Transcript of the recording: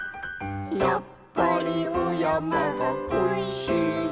「やっぱりおやまがこいしいと」